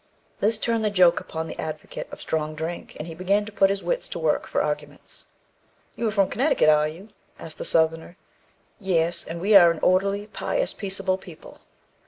This turned the joke upon the advocate of strong drink, and he began to put his wits to work for arguments. "You are from Connecticut, are you?" asked the Southerner. "Yes, and we are an orderly, pious, peaceable people.